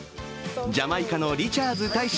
ジャマイカのリチャーズ大使